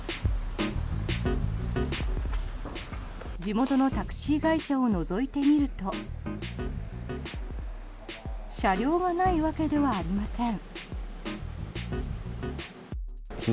地元のタクシー会社をのぞいてみると車両がないわけではありません。